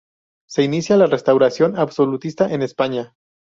Se inicia la Restauración absolutista en España.